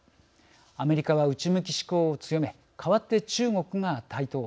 アメリカは、内向き志向を強め代わって中国が台頭。